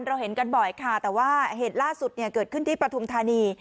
เราเห็นกันบ่อยค่ะแต่ว่าเหตุล่าสุดเนี่ยเกิดขึ้นที่ปฐุมธานี